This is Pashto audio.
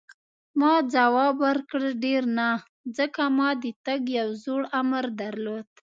ما ځواب ورکړ: ډېر نه، ځکه ما د تګ یو زوړ امر درلود.